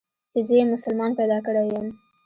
چې زه يې مسلمان پيدا کړى يم.